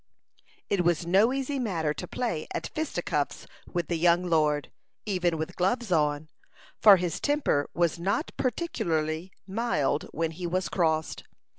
It was no easy matter to play at fisticuffs with the young lord, even with gloves on, for his temper was not particularly mild when he was crossed.